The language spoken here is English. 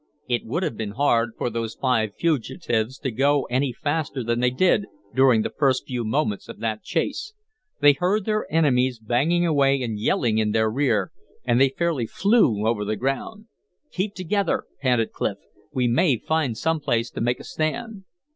It would have been hard for those five fugitives to go any faster than they did during the first few moments of that chase. They heard their enemies banging away and yelling in their rear, and they fairly flew over the ground. "Keep together," panted Clif. "We may find some place to make a stand."